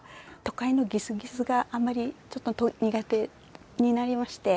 都会のギスギスがあまりちょっと苦手になりまして。